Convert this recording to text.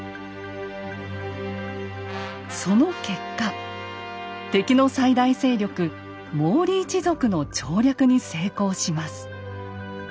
その結果敵の最大勢力毛利一族の調略に成功します。